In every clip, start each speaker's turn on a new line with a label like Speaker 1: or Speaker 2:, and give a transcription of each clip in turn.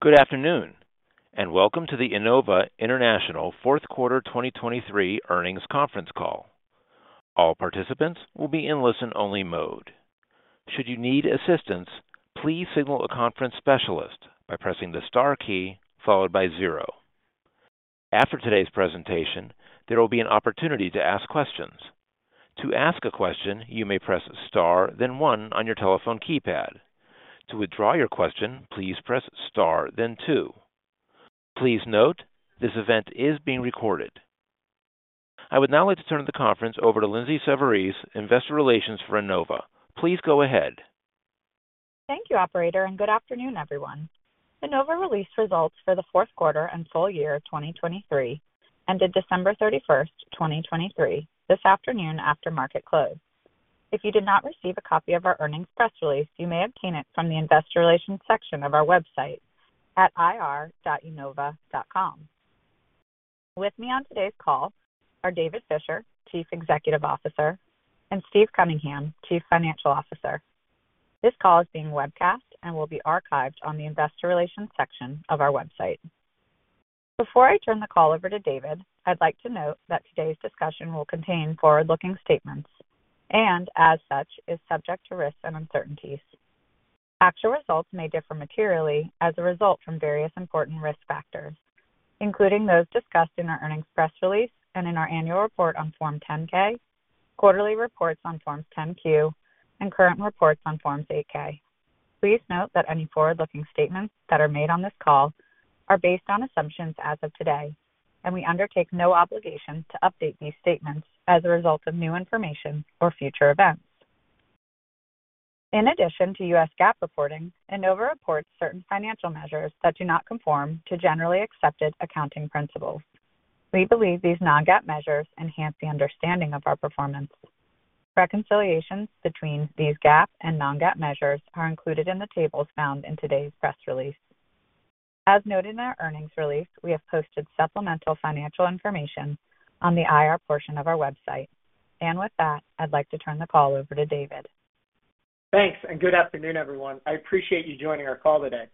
Speaker 1: Good afternoon, and welcome to the Enova International fourth quarter 2023 earnings conference call. All participants will be in listen-only mode. Should you need assistance, please signal a conference specialist by pressing the Star key followed by 0. After today's presentation, there will be an opportunity to ask questions. To ask a question, you may press Star then one on your telephone keypad. To withdraw your question, please press Star then two. Please note, this event is being recorded. I would now like to turn the conference over to Lindsay Savarese, Investor Relations for Enova. Please go ahead.
Speaker 2: Thank you, operator, and good afternoon, everyone. Enova released results for the fourth quarter and full year of 2023, ended December 31, 2023, this afternoon after market close. If you did not receive a copy of our earnings press release, you may obtain it from the Investor Relations section of our website at ir.enova.com. With me on today's call are David Fisher, Chief Executive Officer, and Steve Cunningham, Chief Financial Officer. This call is being webcast and will be archived on the Investor Relations section of our website. Before I turn the call over to David, I'd like to note that today's discussion will contain forward-looking statements and, as such, is subject to risks and uncertainties. Actual results may differ materially as a result from various important risk factors, including those discussed in our earnings press release and in our annual report on Form 10-K, quarterly reports on Forms 10-Q, and current reports on Forms 8-K. Please note that any forward-looking statements that are made on this call are based on assumptions as of today, and we undertake no obligation to update these statements as a result of new information or future events. In addition to U.S. GAAP reporting, Enova reports certain financial measures that do not conform to generally accepted accounting principles. We believe these non-GAAP measures enhance the understanding of our performance. Reconciliations between these GAAP and non-GAAP measures are included in the tables found in today's press release. As noted in our earnings release, we have posted supplemental financial information on the IR portion of our website. With that, I'd like to turn the call over to David.
Speaker 3: Thanks, and good afternoon, everyone. I appreciate you joining our call today.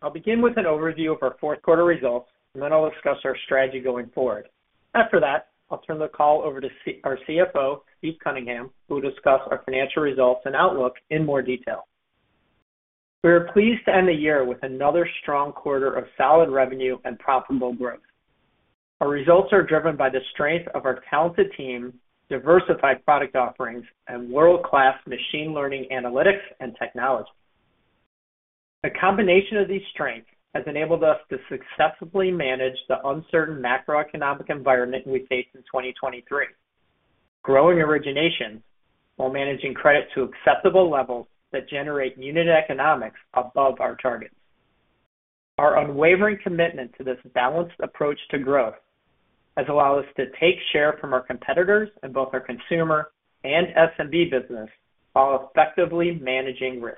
Speaker 3: I'll begin with an overview of our fourth quarter results, and then I'll discuss our strategy going forward. After that, I'll turn the call over to our CFO, Steve Cunningham, who will discuss our financial results and outlook in more detail. We are pleased to end the year with another strong quarter of solid revenue and profitable growth. Our results are driven by the strength of our talented team, diversified product offerings, and world-class machine learning, analytics, and technology. The combination of these strengths has enabled us to successfully manage the uncertain macroeconomic environment we faced in 2023, growing origination while managing credit to acceptable levels that generate unit economics above our targets. Our unwavering commitment to this balanced approach to growth has allowed us to take share from our competitors in both our consumer and SMB business while effectively managing risk.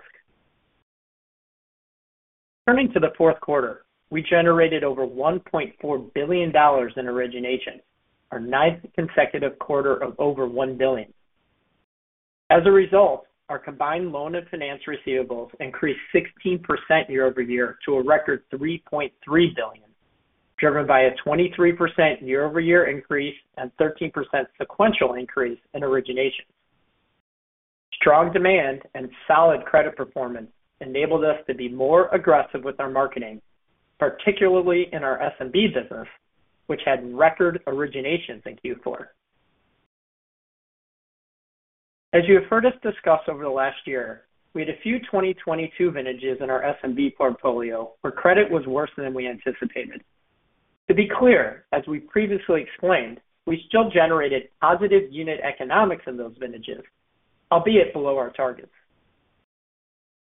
Speaker 3: Turning to the fourth quarter, we generated over $1.4 billion in origination, our ninth consecutive quarter of over $1 billion. As a result, our combined loan and finance receivables increased 16% year-over-year to a record $3.3 billion, driven by a 23% year-over-year increase and 13% sequential increase in origination. Strong demand and solid credit performance enabled us to be more aggressive with our marketing, particularly in our SMB business, which had record originations in Q4. As you have heard us discuss over the last year, we had a few 2022 vintages in our SMB portfolio where credit was worse than we anticipated. To be clear, as we previously explained, we still generated positive unit economics in those vintages, albeit below our targets.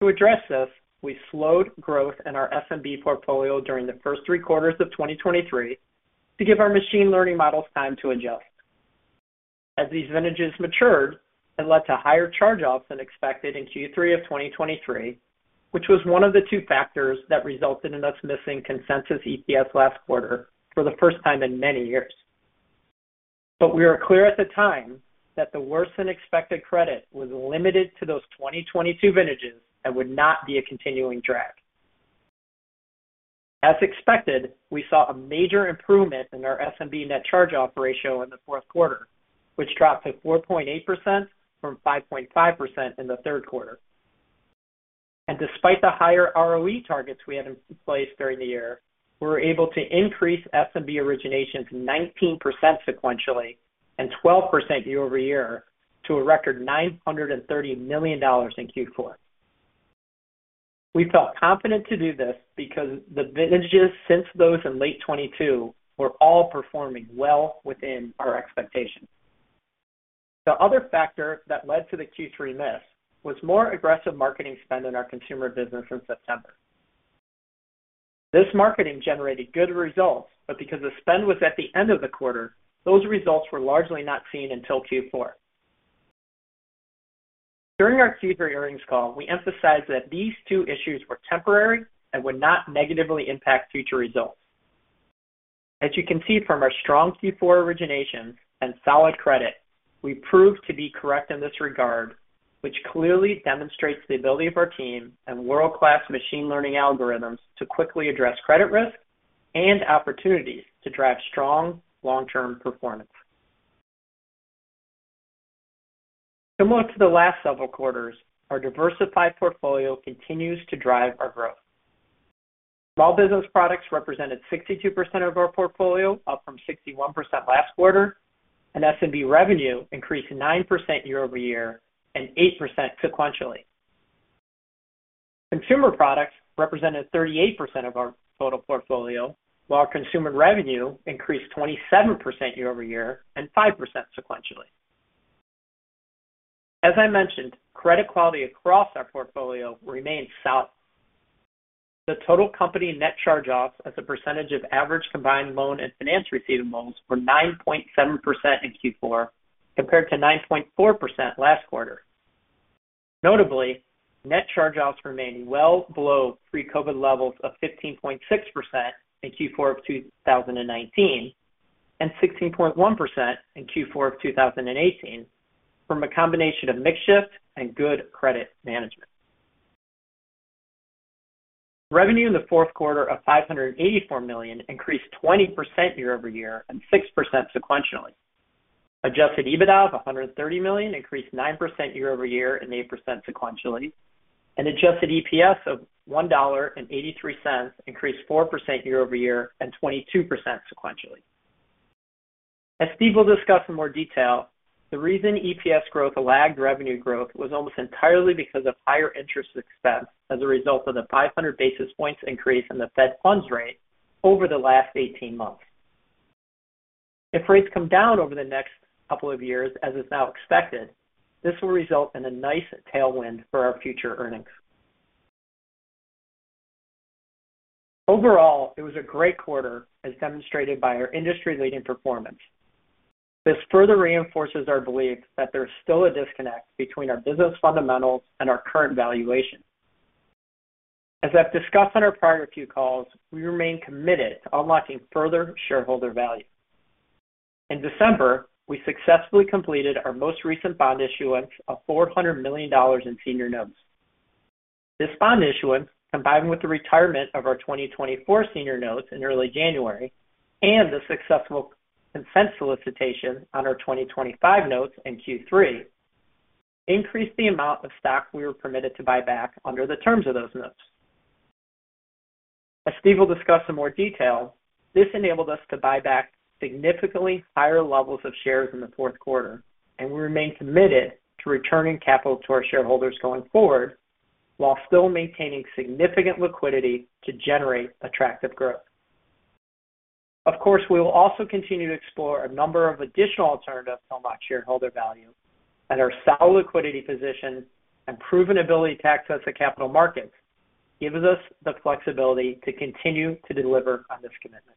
Speaker 3: To address this, we slowed growth in our SMB portfolio during the first three quarters of 2023 to give our machine learning models time to adjust. As these vintages matured, it led to higher charge-offs than expected in Q3 of 2023, which was one of the two factors that resulted in us missing consensus EPS last quarter for the first time in many years. But we were clear at the time that the worse-than-expected credit was limited to those 2022 vintages and would not be a continuing drag. As expected, we saw a major improvement in our SMB net charge-off ratio in the fourth quarter, which dropped to 4.8% from 5.5% in the third quarter. Despite the higher ROE targets we had in place during the year, we were able to increase SMB originations 19% sequentially and 12% year-over-year to a record $930 million in Q4. We felt confident to do this because the vintages since those in late 2022 were all performing well within our expectations. The other factor that led to the Q3 miss was more aggressive marketing spend in our consumer business in September. This marketing generated good results, but because the spend was at the end of the quarter, those results were largely not seen until Q4. During our Q3 earnings call, we emphasized that these two issues were temporary and would not negatively impact future results. As you can see from our strong Q4 origination and solid credit, we proved to be correct in this regard, which clearly demonstrates the ability of our team and world-class machine learning algorithms to quickly address credit risk and opportunities to drive strong long-term performance. Similar to the last several quarters, our diversified portfolio continues to drive our growth. Small business products represented 62% of our portfolio, up from 61% last quarter, and SMB revenue increased 9% year-over-year and 8% sequentially. Consumer products represented 38% of our total portfolio, while consumer revenue increased 27% year-over-year and 5% sequentially. As I mentioned, credit quality across our portfolio remains solid. The total company net charge-offs as a percentage of average combined loan and finance receivable loans were 9.7% in Q4, compared to 9.4% last quarter. Notably, net charge-offs remained well below pre-COVID levels of 15.6% in Q4 of 2019, and 16.1% in Q4 of 2018, from a combination of mix shift and good credit management. Revenue in the fourth quarter of $584 million increased 20% year-over-year and 6% sequentially. Adjusted EBITDA of $130 million increased 9% year-over-year and 8% sequentially, and adjusted EPS of $1.83 increased 4% year-over-year and 22% sequentially. As Steve will discuss in more detail, the reason EPS growth lagged revenue growth was almost entirely because of higher interest expense as a result of the 500 basis points increase in the Fed funds rate over the last 18 months. If rates come down over the next couple of years, as is now expected, this will result in a nice tailwind for our future earnings. Overall, it was a great quarter, as demonstrated by our industry-leading performance. This further reinforces our belief that there's still a disconnect between our business fundamentals and our current valuation. As I've discussed on our prior few calls, we remain committed to unlocking further shareholder value. In December, we successfully completed our most recent bond issuance of $400 million in senior notes. This bond issuance, combined with the retirement of our 2024 senior notes in early January and the successful consent solicitation on our 2025 notes in Q3, increased the amount of stock we were permitted to buy back under the terms of those notes. As Steve will discuss in more detail, this enabled us to buy back significantly higher levels of shares in the fourth quarter, and we remain committed to returning capital to our shareholders going forward, while still maintaining significant liquidity to generate attractive growth. Of course, we will also continue to explore a number of additional alternatives to unlock shareholder value, and our solid liquidity position and proven ability to access the capital markets gives us the flexibility to continue to deliver on this commitment.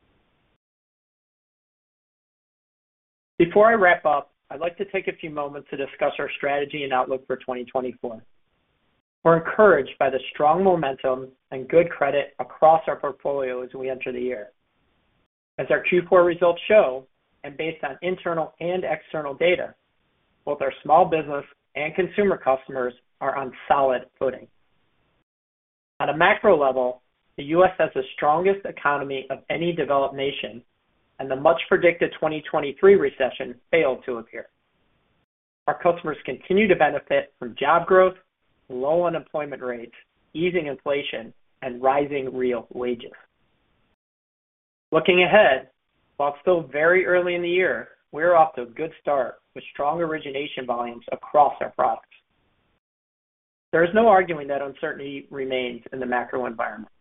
Speaker 3: Before I wrap up, I'd like to take a few moments to discuss our strategy and outlook for 2024. We're encouraged by the strong momentum and good credit across our portfolio as we enter the year. As our Q4 results show, and based on internal and external data, both our small business and consumer customers are on solid footing. On a macro level, the US has the strongest economy of any developed nation, and the much-predicted 2023 recession failed to appear. Our customers continue to benefit from job growth, low unemployment rates, easing inflation, and rising real wages. Looking ahead, while it's still very early in the year, we're off to a good start with strong origination volumes across our products. There is no arguing that uncertainty remains in the macro environment,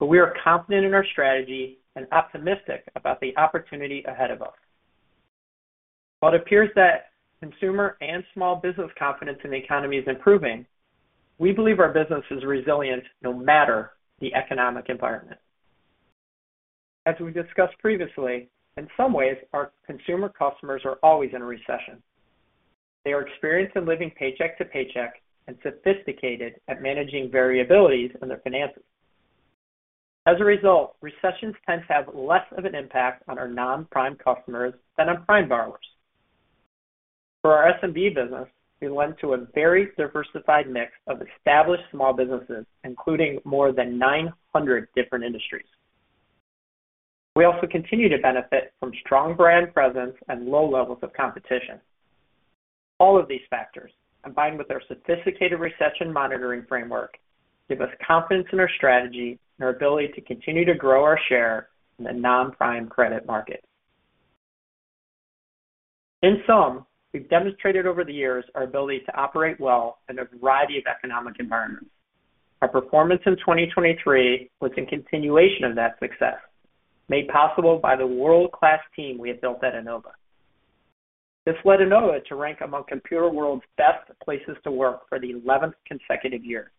Speaker 3: but we are confident in our strategy and optimistic about the opportunity ahead of us. While it appears that consumer and small business confidence in the economy is improving, we believe our business is resilient no matter the economic environment. As we discussed previously, in some ways, our consumer customers are always in a recession. They are experienced in living paycheck to paycheck and sophisticated at managing variabilities in their finances. As a result, recessions tend to have less of an impact on our non-Prime customers than on prime borrowers. For our SMB business, we lend to a very diversified mix of established small businesses, including more than 900 different industries. We also continue to benefit from strong brand presence and low levels of competition. All of these factors, combined with our sophisticated recession monitoring framework, give us confidence in our strategy and our ability to continue to grow our share in the non-prime credit market. In sum, we've demonstrated over the years our ability to operate well in a variety of economic environments. Our performance in 2023 was in continuation of that success, made possible by the world-class team we have built at Enova. This led Enova to rank among Computerworld's best places to work for the eleventh consecutive year.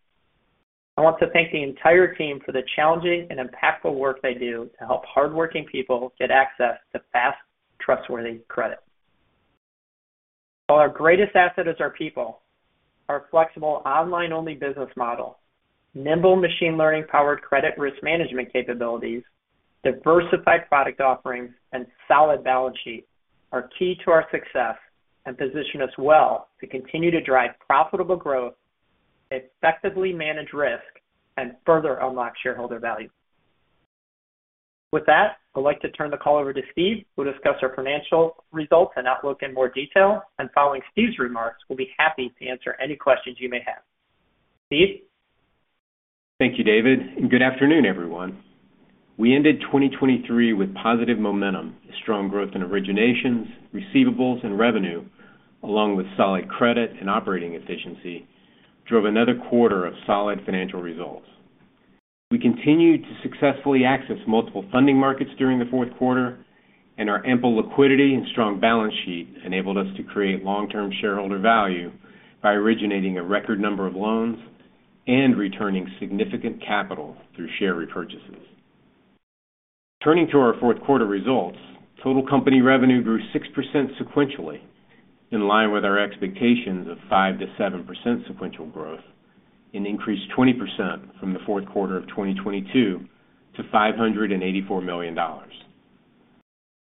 Speaker 3: I want to thank the entire team for the challenging and impactful work they do to help hardworking people get access to fast, trustworthy credit. While our greatest asset is our people, our flexible online-only business model, nimble machine learning-powered credit risk management capabilities, diversified product offerings, and solid balance sheet are key to our success and position us well to continue to drive profitable growth, effectively manage risk, and further unlock shareholder value. With that, I'd like to turn the call over to Steve, who'll discuss our financial results and outlook in more detail. Following Steve's remarks, we'll be happy to answer any questions you may have. Steve?
Speaker 4: Thank you, David, and good afternoon, everyone. We ended 2023 with positive momentum, strong growth in originations, receivables, and revenue, along with solid credit and operating efficiency, drove another quarter of solid financial results. We continued to successfully access multiple funding markets during the fourth quarter, and our ample liquidity and strong balance sheet enabled us to create long-term shareholder value by originating a record number of loans and returning significant capital through share repurchases. Turning to our fourth quarter results, total company revenue grew 6% sequentially, in line with our expectations of 5%-7% sequential growth and increased 20% from the fourth quarter of 2022 to $584 million.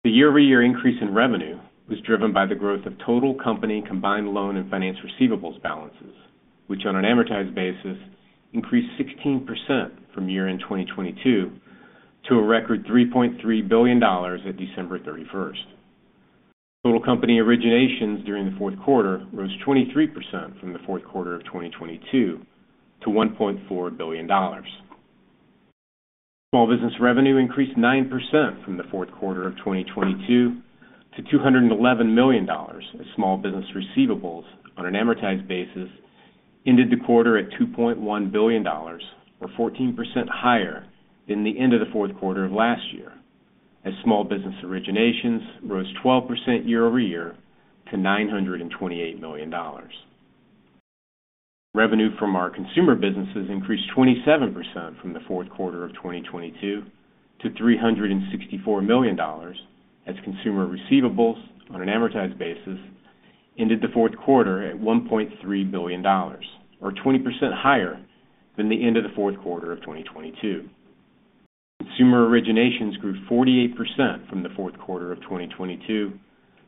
Speaker 4: The year-over-year increase in revenue was driven by the growth of total company combined loan and finance receivables balances, which, on an amortized basis, increased 16% from year-end 2022 to a record $3.3 billion at December 31st. Total company originations during the fourth quarter rose 23% from the fourth quarter of 2022 to $1.4 billion. Small business revenue increased 9% from the fourth quarter of 2022 to $211 million, as small business receivables on an amortized basis ended the quarter at $2.1 billion or 14% higher than the end of the fourth quarter of last year, as small business originations rose 12% year-over-year to $928 million. Revenue from our consumer businesses increased 27% from the fourth quarter of 2022 to $364 million, as consumer receivables on an amortized basis ended the fourth quarter at $1.3 billion, or 20% higher than the end of the fourth quarter of 2022. Consumer originations grew 48% from the fourth quarter of 2022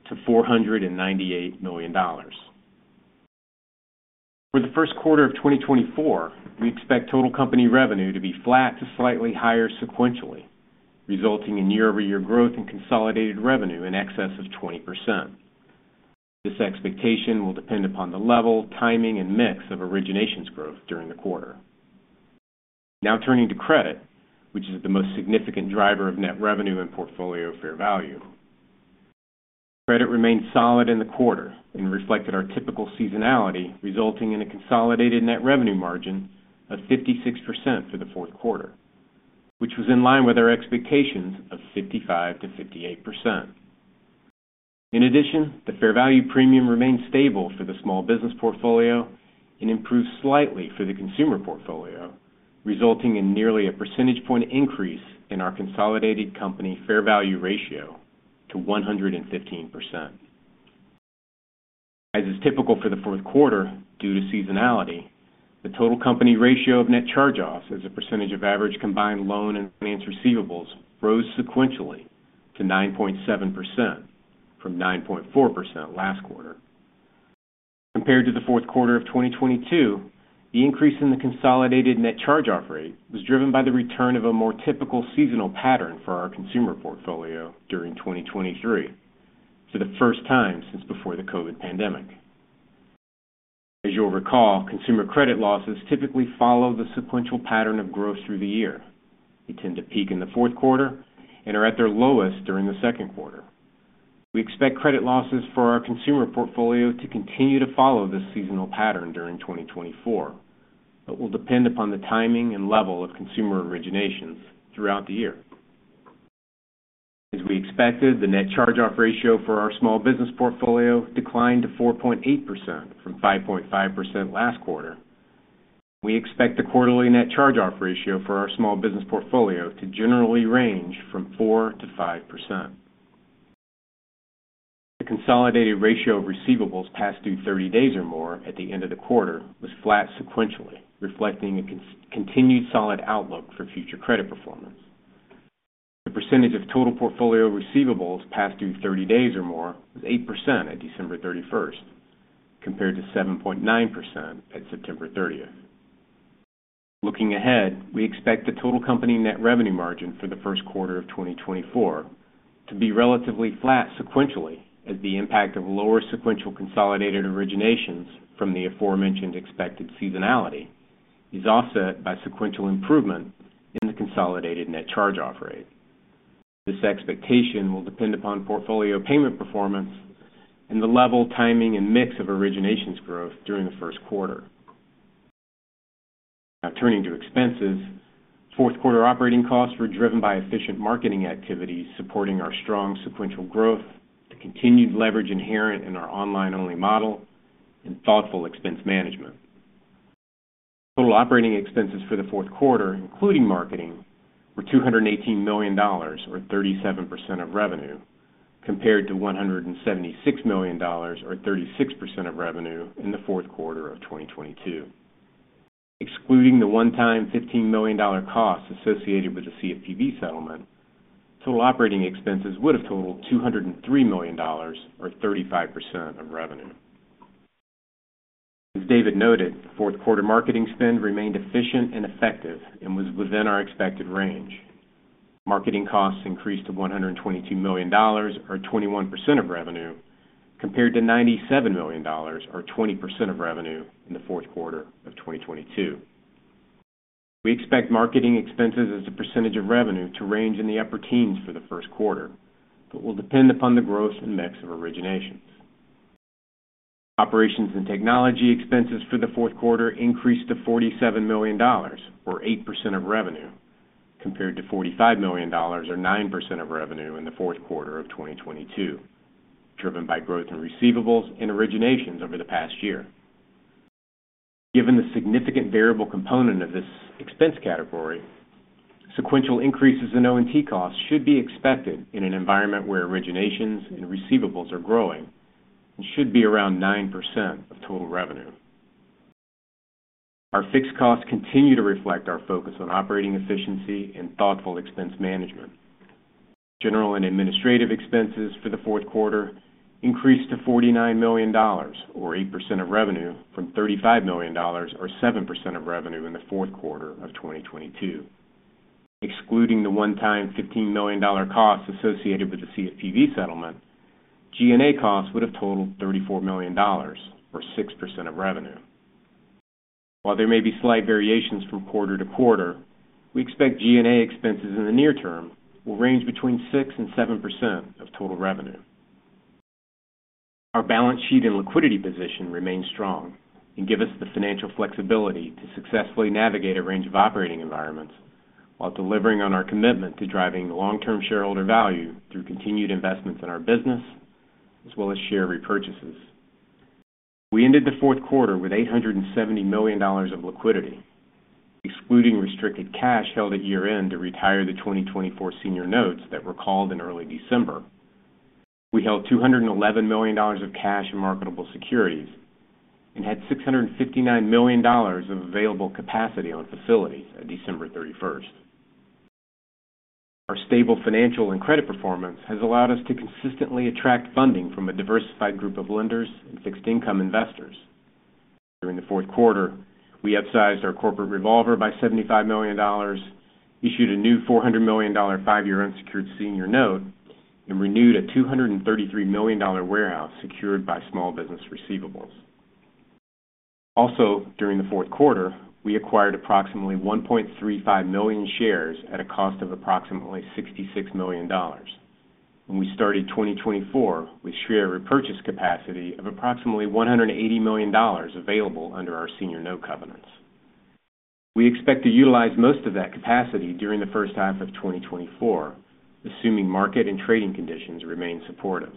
Speaker 4: to $498 million. For the first quarter of 2024, we expect total company revenue to be flat to slightly higher sequentially, resulting in year-over-year growth in consolidated revenue in excess of 20%. This expectation will depend upon the level, timing, and mix of originations growth during the quarter. Now turning to credit, which is the most significant driver of net revenue and portfolio fair value. Credit remained solid in the quarter and reflected our typical seasonality, resulting in a consolidated net revenue margin of 56% for the fourth quarter, which was in line with our expectations of 55%-58%. In addition, the fair value premium remained stable for the small business portfolio and improved slightly for the consumer portfolio, resulting in nearly a percentage point increase in our consolidated company fair value ratio to 115%. As is typical for the fourth quarter, due to seasonality, the total company ratio of net charge-offs as a percentage of average combined loan and finance receivables rose sequentially to 9.7% from 9.4% last quarter. Compared to the fourth quarter of 2022, the increase in the consolidated net charge-off rate was driven by the return of a more typical seasonal pattern for our consumer portfolio during 2023 for the first time since before the COVID pandemic. As you'll recall, consumer credit losses typically follow the sequential pattern of growth through the year. They tend to peak in the fourth quarter and are at their lowest during the second quarter. We expect credit losses for our consumer portfolio to continue to follow this seasonal pattern during 2024, but will depend upon the timing and level of consumer originations throughout the year. As we expected, the net charge-off ratio for our small business portfolio declined to 4.8% from 5.5% last quarter. We expect the quarterly net charge-off ratio for our small business portfolio to generally range from 4%-5%. The consolidated ratio of receivables past due 30 days or more at the end of the quarter was flat sequentially, reflecting a continued solid outlook for future credit performance. The percentage of total portfolio receivables past due 30 days or more was 8% at December 31st, compared to 7.9% at September 30th. Looking ahead, we expect the total company net revenue margin for the first quarter of 2024 to be relatively flat sequentially, as the impact of lower sequential consolidated originations from the aforementioned expected seasonality is offset by sequential improvement in the consolidated net charge-off rate. This expectation will depend upon portfolio payment performance and the level, timing, and mix of originations growth during the first quarter. Now, turning to expenses. Fourth quarter operating costs were driven by efficient marketing activities supporting our strong sequential growth, the continued leverage inherent in our online-only model, and thoughtful expense management. Total operating expenses for the fourth quarter, including marketing, were $218 million, or 37% of revenue, compared to $176 million, or 36% of revenue in the fourth quarter of 2022. Excluding the one-time $15 million cost associated with the CFPB settlement, total operating expenses would have totaled $203 million, or 35% of revenue. As David noted, fourth quarter marketing spend remained efficient and effective and was within our expected range. Marketing costs increased to $122 million, or 21% of revenue, compared to $97 million, or 20% of revenue in the fourth quarter of 2022. We expect marketing expenses as a percentage of revenue to range in the upper teens for the first quarter, but will depend upon the growth and mix of originations. Operations and technology expenses for the fourth quarter increased to $47 million, or 8% of revenue, compared to $45 million, or 9% of revenue in the fourth quarter of 2022, driven by growth in receivables and originations over the past year. Given the significant variable component of this expense category, sequential increases in O&T costs should be expected in an environment where originations and receivables are growing and should be around 9% of total revenue. Our fixed costs continue to reflect our focus on operating efficiency and thoughtful expense management. General and administrative expenses for the fourth quarter increased to $49 million, or 8% of revenue, from $35 million, or 7% of revenue, in the fourth quarter of 2022. Excluding the one-time $15 million costs associated with the CFPB settlement, G&A costs would have totaled $34 million or 6% of revenue. While there may be slight variations from quarter to quarter, we expect G&A expenses in the near term will range between 6% and 7% of total revenue. Our balance sheet and liquidity position remain strong and give us the financial flexibility to successfully navigate a range of operating environments while delivering on our commitment to driving long-term shareholder value through continued investments in our business as well as share repurchases. We ended the fourth quarter with $870 million of liquidity, excluding restricted cash held at year-end to retire the 2024 senior notes that were called in early December. We held $211 million of cash and marketable securities and had $659 million of available capacity on facilities at December 31st. Our stable financial and credit performance has allowed us to consistently attract funding from a diversified group of lenders and fixed income investors. During the fourth quarter, we upsized our corporate revolver by $75 million, issued a new $400 million five-year unsecured senior note, and renewed a $233 million warehouse secured by small business receivables. Also, during the fourth quarter, we acquired approximately 1.35 million shares at a cost of approximately $66 million, and we started 2024 with share repurchase capacity of approximately $180 million available under our senior note covenants. We expect to utilize most of that capacity during the first half of 2024, assuming market and trading conditions remain supportive.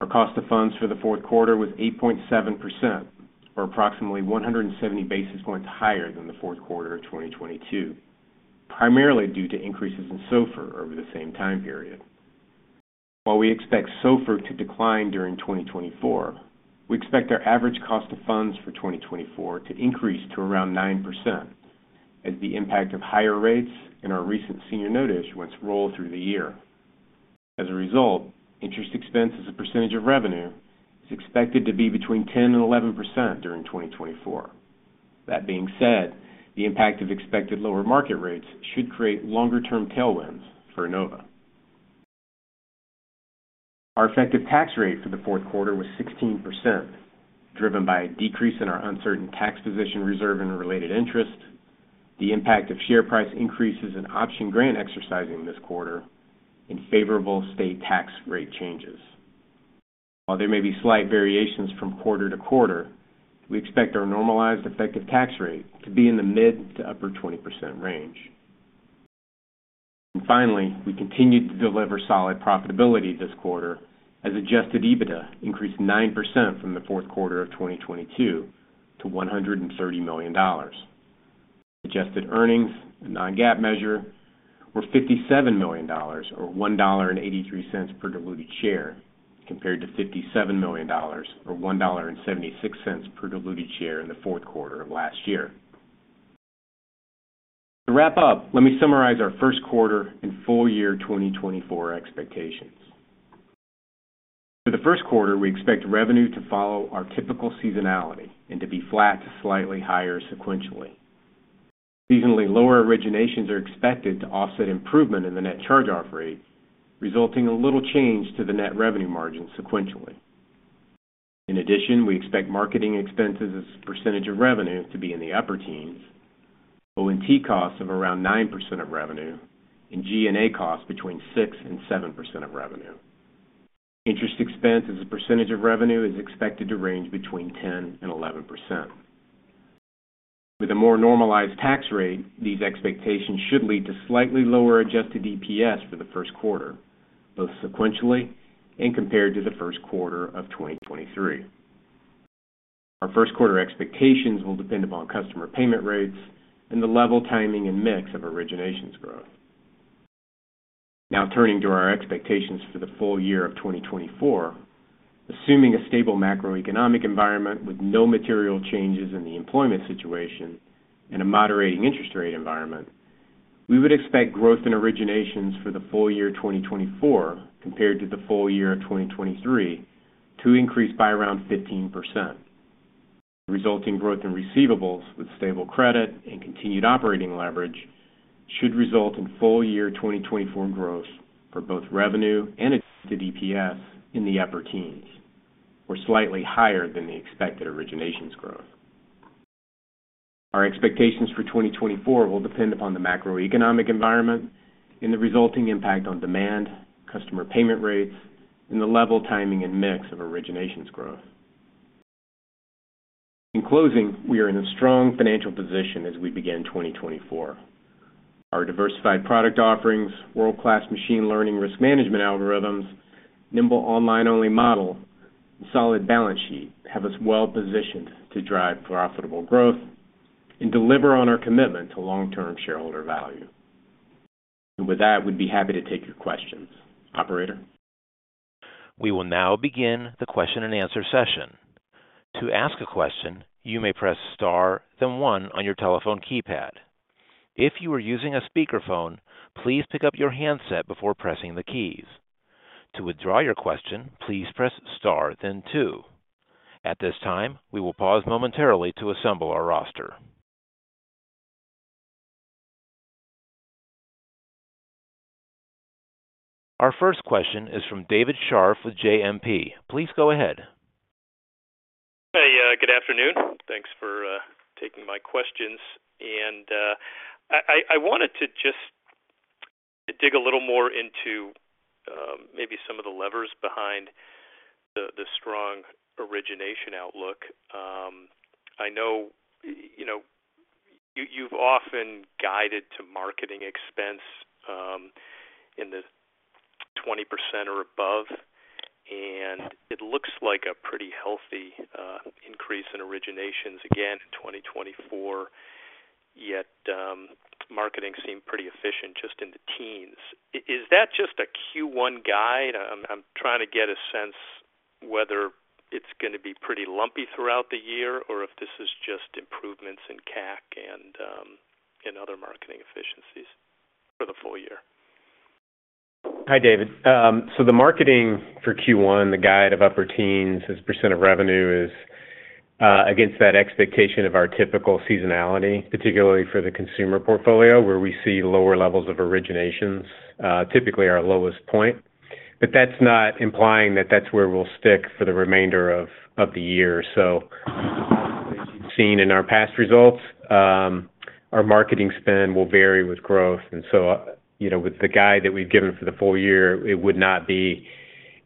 Speaker 4: Our cost of funds for the fourth quarter was 8.7%, or approximately 170 basis points higher than the fourth quarter of 2022, primarily due to increases in SOFR over the same time period. While we expect SOFR to decline during 2024, we expect our average cost of funds for 2024 to increase to around 9%, as the impact of higher rates and our recent senior note issuance roll through the year. As a result, interest expense as a percentage of revenue is expected to be between 10-11% during 2024. That being said, the impact of expected lower market rates should create longer-term tailwinds for Enova. Our effective tax rate for the fourth quarter was 16%, driven by a decrease in our uncertain tax position reserve and related interest, the impact of share price increases in option grant exercising this quarter, and favorable state tax rate changes. While there may be slight variations from quarter to quarter, we expect our normalized effective tax rate to be in the mid- to upper-20% range. And finally, we continued to deliver solid profitability this quarter as Adjusted EBITDA increased 9% from the fourth quarter of 2022 to $130 million. Adjusted earnings, the non-GAAP measure, were $57 million, or $1.83 per diluted share, compared to $57 million, or $1.76 per diluted share in the fourth quarter of last year. To wrap up, let me summarize our first quarter and full year 2024 expectations. For the first quarter, we expect revenue to follow our typical seasonality and to be flat to slightly higher sequentially. Seasonally, lower originations are expected to offset improvement in the net charge-off rate, resulting in little change to the net revenue margin sequentially. In addition, we expect marketing expenses as a percentage of revenue to be in the upper teens, O&T costs of around 9% of revenue, and G&A costs between 6% and 7% of revenue. Interest expense as a percentage of revenue is expected to range between 10 and 11%. With a more normalized tax rate, these expectations should lead to slightly lower Adjusted EPS for the first quarter, both sequentially and compared to the first quarter of 2023. Our first quarter expectations will depend upon customer payment rates and the level, timing, and mix of originations growth. Now turning to our expectations for the full year of 2024. Assuming a stable macroeconomic environment with no material changes in the employment situation and a moderating interest rate environment, we would expect growth in originations for the full year 2024, compared to the full year of 2023, to increase by around 15%. Resulting growth in receivables with stable credit and continued operating leverage should result in full year 2024 growth for both revenue and Adjusted EPS in the upper teens, or slightly higher than the expected originations growth. Our expectations for 2024 will depend upon the macroeconomic environment and the resulting impact on demand, customer payment rates, and the level, timing, and mix of originations growth. In closing, we are in a strong financial position as we begin 2024. Our diversified product offerings, world-class machine learning risk management algorithms, nimble online-only model, and solid balance sheet have us well positioned to drive profitable growth and deliver on our commitment to long-term shareholder value. With that, we'd be happy to take your questions. Operator?
Speaker 1: We will now begin the question and answer session. To ask a question, you may press Star, then one on your telephone keypad. If you are using a speakerphone, please pick up your handset before pressing the keys. To withdraw your question, please press Star then two. At this time, we will pause momentarily to assemble our roster. Our first question is from David Scharf with JMP. Please go ahead.
Speaker 5: Hey, good afternoon. Thanks for taking my questions. And I wanted to just dig a little more into maybe some of the levers behind the strong origination outlook. I know, you know, you've often guided to marketing expense in the 20% or above, and it looks like a pretty healthy increase in originations again in 2024, yet marketing seemed pretty efficient just in the teens. Is that just a Q1 guide? I'm trying to get a sense whether it's gonna be pretty lumpy throughout the year or if this is just improvements in CAC and in other marketing efficiencies for the full year.
Speaker 4: Hi, David. So the marketing for Q1, the guide of upper teens percent of revenue, is against that expectation of our typical seasonality, particularly for the consumer portfolio, where we see lower levels of originations, typically our lowest point. But that's not implying that that's where we'll stick for the remainder of the year. So as you've seen in our past results, our marketing spend will vary with growth, and so, you know, with the guide that we've given for the full year, it would not be,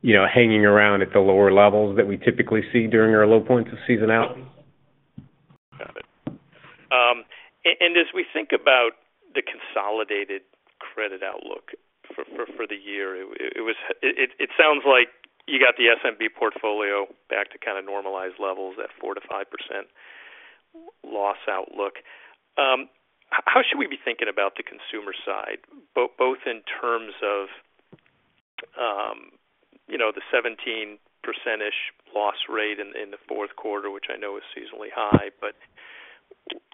Speaker 4: you know, hanging around at the lower levels that we typically see during our low points of seasonality.
Speaker 5: Got it. And as we think about the consolidated credit outlook for the year, it sounds like you got the SMB portfolio back to kind of normalized levels at 4-5% loss outlook. How should we be thinking about the consumer side, both in terms of, you know, the 17%ish loss rate in the fourth quarter, which I know is seasonally high, but,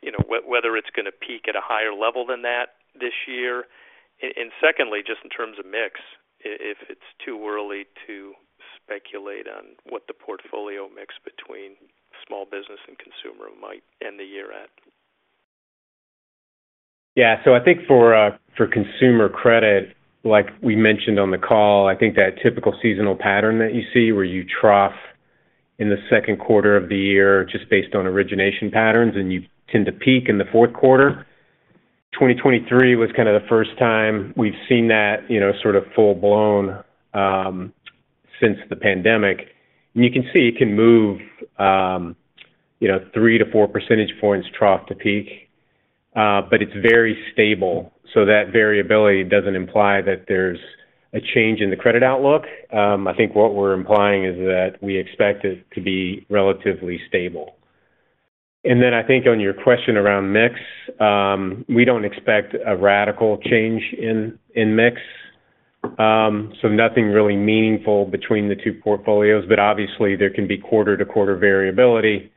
Speaker 5: you know, whether it's gonna peak at a higher level than that this year? And secondly, just in terms of mix, if it's too early to speculate on what the portfolio mix between small business and consumer might end the year at.
Speaker 4: Yeah. So I think for, for consumer credit, like we mentioned on the call, I think that typical seasonal pattern that you see, where you trough in the second quarter of the year just based on origination patterns, and you tend to peak in the fourth quarter. 2023 was kind of the first time we've seen that, you know, sort of full-blown, since the pandemic. And you can see it can move, you know, 3-4% points trough to peak, but it's very stable. So that variability doesn't imply that there's a change in the credit outlook. I think what we're implying is that we expect it to be relatively stable. And then I think on your question around mix, we don't expect a radical change in mix. So nothing really meaningful between the two portfolios, but obviously, there can be quarter-to-quarter variability,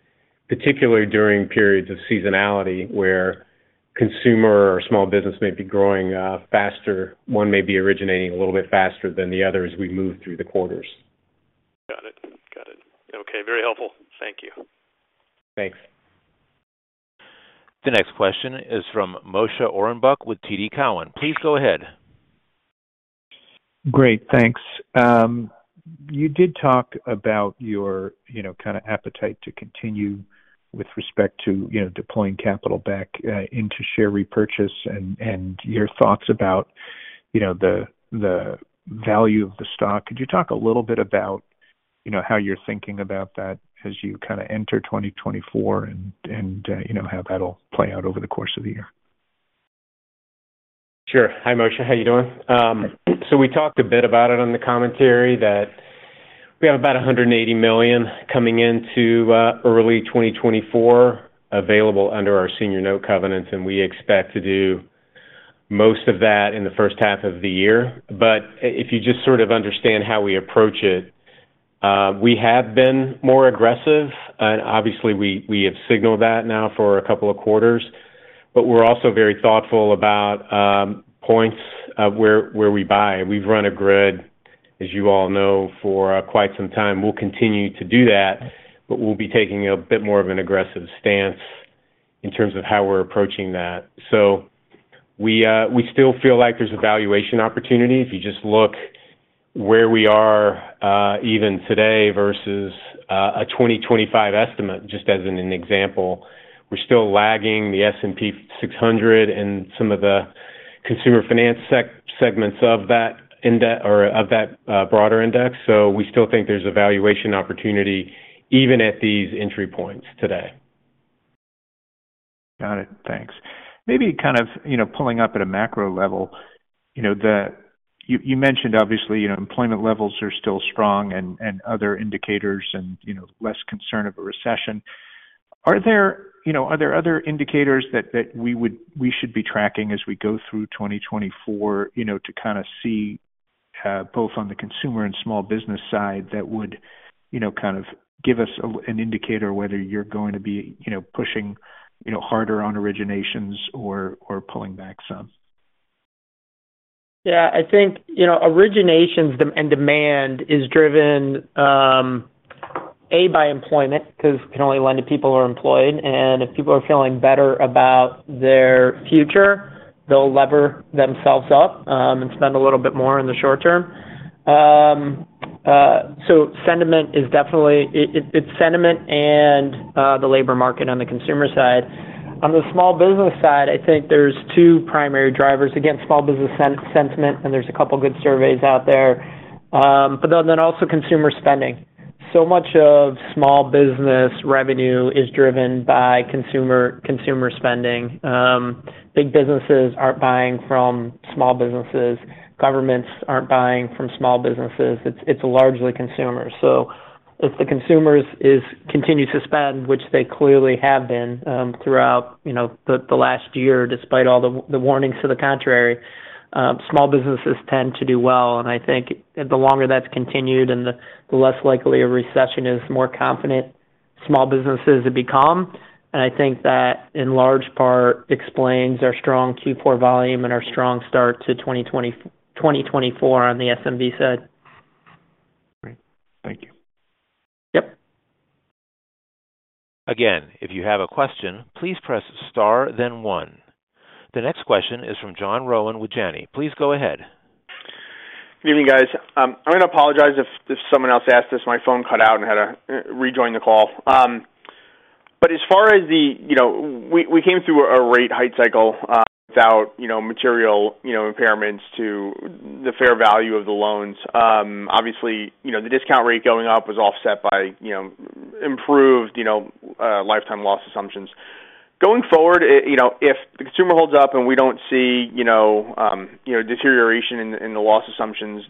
Speaker 4: particularly during periods of seasonality, where consumer or small business may be growing faster. One may be originating a little bit faster than the other as we move through the quarters.
Speaker 5: Got it. Got it. Okay, very helpful. Thank you.
Speaker 4: Thanks.
Speaker 1: The next question is from Moshe Orenbuch with TD Cowen. Please go ahead.
Speaker 6: Great. Thanks. You did talk about your, you know, kind of appetite to continue with respect to, you know, deploying capital back into share repurchase and your thoughts about, you know, the value of the stock. Could you talk a little bit about you know, how you're thinking about that as you kind of enter 2024 and you know, how that'll play out over the course of the year.
Speaker 4: Sure. Hi, Moshe. How you doing? So we talked a bit about it on the commentary that we have about $180 million coming into early 2024 available under our senior note covenants, and we expect to do most of that in the first half of the year. But if you just sort of understand how we approach it, we have been more aggressive, and obviously, we have signaled that now for a couple of quarters. But we're also very thoughtful about points of where we buy. We've run a grid, as you all know, for quite some time. We'll continue to do that, but we'll be taking a bit more of an aggressive stance in terms of how we're approaching that. So we still feel like there's a valuation opportunity. If you just look where we are, even today versus a 2025 estimate, just as an example, we're still lagging the S&P 600 and some of the consumer finance segments of that index or of that broader index. So we still think there's a valuation opportunity even at these entry points today.
Speaker 6: Got it. Thanks. Maybe kind of, you know, pulling up at a macro level, you know, the you mentioned obviously, you know, employment levels are still strong and other indicators and, you know, less concern of a recession. Are there, you know, other indicators that we should be tracking as we go through 2024, you know, to kind of see both on the consumer and small business side, that would, you know, kind of give us an indicator whether you're going to be, you know, pushing, you know, harder on originations or pulling back some?
Speaker 3: Yeah, I think, you know, originations and demand is driven by employment, 'cause you can only lend to people who are employed, and if people are feeling better about their future, they'll lever themselves up and spend a little bit more in the short term. So sentiment is definitely. It's sentiment and the labor market on the consumer side. On the small business side, I think there's two primary drivers. Again, small business sentiment, and there's a couple of good surveys out there. But then also consumer spending. So much of small business revenue is driven by consumer spending. Big businesses aren't buying from small businesses. Governments aren't buying from small businesses. It's largely consumers. So if the consumers is continue to spend, which they clearly have been, throughout, you know, the last year, despite all the warnings to the contrary, small businesses tend to do well. And I think the longer that's continued and the less likely a recession is, more confident small businesses have become, and I think that, in large part, explains our strong Q4 volume and our strong start to 2024 on the SMB side.
Speaker 6: Great. Thank you.
Speaker 3: Yep.
Speaker 1: Again, if you have a question, please press Star, then one. The next question is from John Rowan with Janney. Please go ahead.
Speaker 7: Good evening, guys. I'm going to apologize if someone else asked this. My phone cut out and had to rejoin the call. But as far as the. You know, we came through a rate hike cycle without material impairments to the fair value of the loans. Obviously, you know, the discount rate going up was offset by improved lifetime loss assumptions. Going forward, you know, if the consumer holds up and we don't see deterioration in the loss assumptions,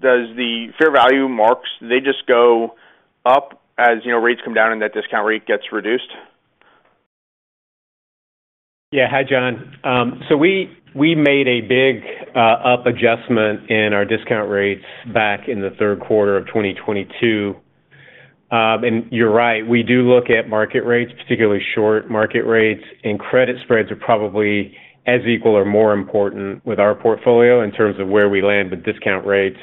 Speaker 7: does the fair value marks just go up as rates come down and that discount rate gets reduced?
Speaker 4: Yeah. Hi, John. So we made a big up adjustment in our discount rates back in the third quarter of 2022. And you're right, we do look at market rates, particularly short market rates, and credit spreads are probably as equal or more important with our portfolio in terms of where we land with discount rates.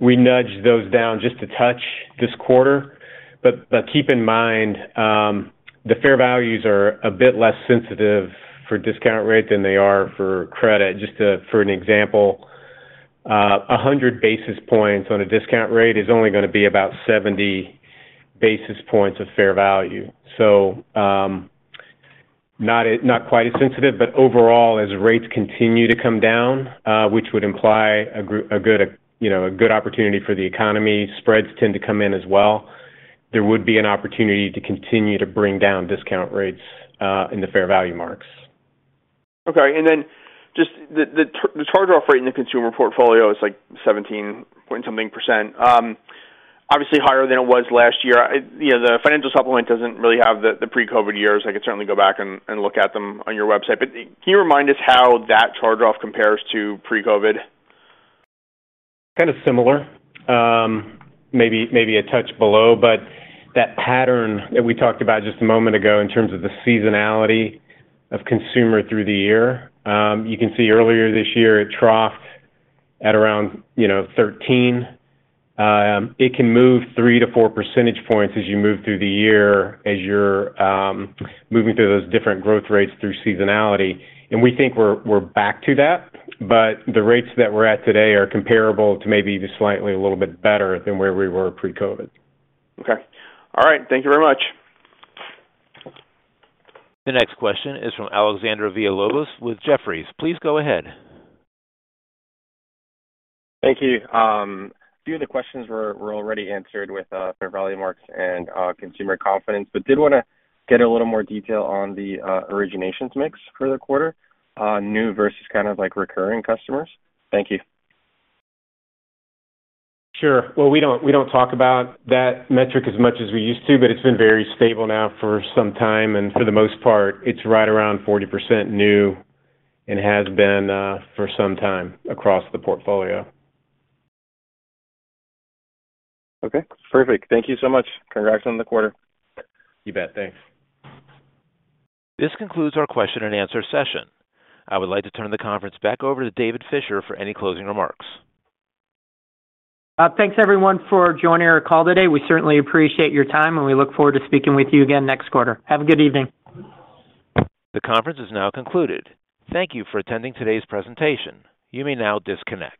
Speaker 4: We nudged those down just a touch this quarter, but keep in mind, the fair values are a bit less sensitive for discount rate than they are for credit. Just for an example, a 100 bps on a discount rate is only going to be about 70 bps of fair value. So, not quite as sensitive, but overall, as rates continue to come down, which would imply a good, you know, a good opportunity for the economy, spreads tend to come in as well. There would be an opportunity to continue to bring down discount rates in the fair value marks.
Speaker 7: Okay, and then just the charge-off rate in the consumer portfolio is like 17-point-something percent. Obviously higher than it was last year. You know, the financial supplement doesn't really have the pre-COVID years. I could certainly go back and look at them on your website, but can you remind us how that charge-off compares to pre-COVID?
Speaker 4: Kind of similar. Maybe, maybe a touch below, but that pattern that we talked about just a moment ago in terms of the seasonality of consumer through the year, you can see earlier this year, it troughed at around, you know, 13. It can move 3-4 percentage points as you move through the year, as you're moving through those different growth rates through seasonality. And we think we're, we're back to that, but the rates that we're at today are comparable to maybe even slightly a little bit better than where we were pre-COVID.
Speaker 7: Okay. All right. Thank you very much.
Speaker 1: The next question is from Alexander Villalobos with Jefferies. Please go ahead.
Speaker 8: Thank you. A few of the questions were already answered with fair value marks and consumer confidence, but did want to get a little more detail on the originations mix for the quarter, new versus kind of like recurring customers. Thank you.
Speaker 4: Sure. Well, we don't, we don't talk about that metric as much as we used to, but it's been very stable now for some time, and for the most part, it's right around 40% new and has been for some time across the portfolio.
Speaker 8: Okay, perfect. Thank you so much. Congrats on the quarter.
Speaker 4: You bet. Thanks.
Speaker 1: This concludes our question and answer session. I would like to turn the conference back over to David Fisher for any closing remarks.
Speaker 3: Thanks, everyone, for joining our call today. We certainly appreciate your time, and we look forward to speaking with you again next quarter. Have a good evening.
Speaker 1: The conference is now concluded. Thank you for attending today's presentation. You may now disconnect.